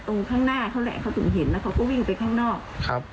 ตรงข้างหน้าเขาแหละเขาถึงเห็นแล้วเขาก็วิ่งไปข้างนอกครับ